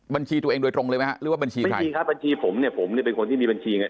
บัญชีตัวเองโดยตรงเลยไหมฮะหรือว่าบัญชีใครครับบัญชีผมเนี่ยผมเนี่ยเป็นคนที่มีบัญชีไง